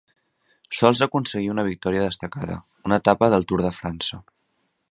Sols aconseguí una victòria destacada, una etapa del Tour de França.